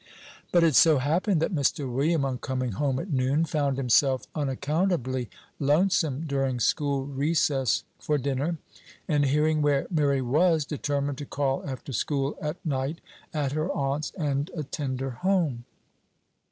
But it so happened that Mr. William, on coming home at noon, found himself unaccountably lonesome during school recess for dinner, and hearing where Mary was, determined to call after school at night at her aunt's, and attend her home.